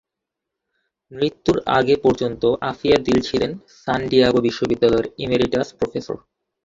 মৃত্যুর আগে পর্যন্ত আফিয়া দিল ছিলেন সান ডিয়েগো বিশ্ববিদ্যালয়ের ইমেরিটাস প্রফেসর।